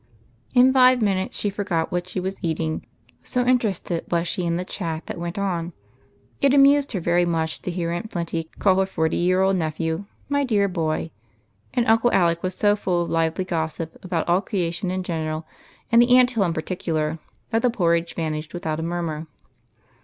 In five minutes she forgot w^hat she was eating, so interested was she in the chat that went on. It amused her very much to hear Aunt Plenty call her forty year old nephew " my dear boy ;" and Uncle Alec was so full of lively gossip about all creation in general, and the Aunt hill in particular, that the detested j^orridge vanished without a murmur.